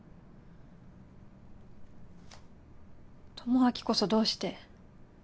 智明こそどうして？